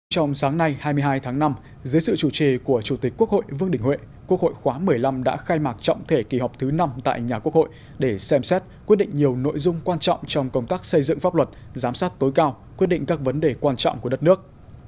trong sáng nay hai mươi hai tháng năm dưới sự chủ trì của chủ tịch quốc hội vương đình huệ quốc hội khóa một mươi năm đã khai mạc trọng thể kỳ họp thứ năm tại nhà quốc hội để xem xét quyết định nhiều nội dung quan trọng trong công tác xây dựng pháp luật giám sát tối cao quyết định các vấn đề quan trọng của đất nước